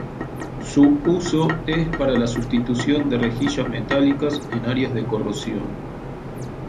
Su uso es para la sustitución de rejillas metálicas en áreas de corrosión.